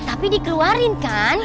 tapi dikeluarin kan